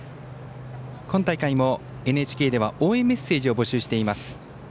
今大会も、ＮＨＫでは応援メッセージを募集しています。